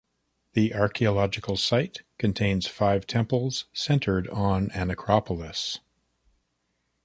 The archaeological site contains five temples centered on an acropolis.